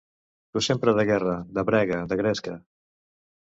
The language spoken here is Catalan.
Tu sempre de guerra, de brega, de gresca.